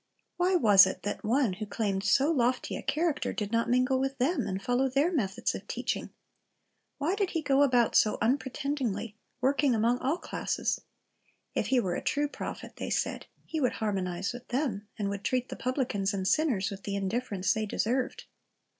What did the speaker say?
Why was it that one who claimed so lofty a character, did not mingle with them, and follow their methods of teaching? Why did He go about so unpretendingly, working among all classes? If He were a true prophet, they said, He would harmonize with them, and would treat the publicans and sinners with the indifference they deserved.